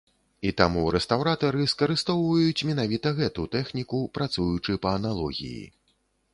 І таму рэстаўратары скарыстоўваюць менавіта гэту тэхніку, працуючы па аналогіі.